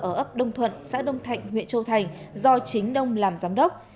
ở ấp đông thuận xã đông thạnh huyện châu thành do chính đông làm giám đốc